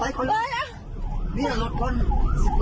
โอ้ยจริงเดินกระดมจริง